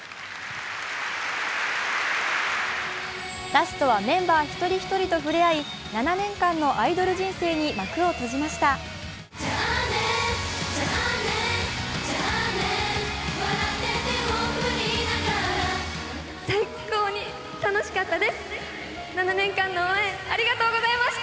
ラストはメンバー一人一人と触れ合い、７年間のアイドル人生に幕を閉じました。